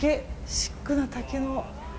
シックな竹の。